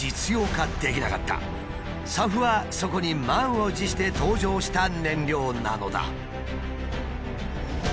ＳＡＦはそこに満を持して登場した燃料なのだ。